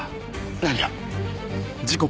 何が？